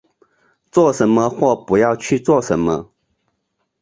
做什么或不要去做什么